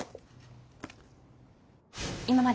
今まで